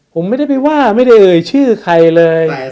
ผมไม่ได้ไปว่าไม่ได้เอ่ยชื่อใครเลย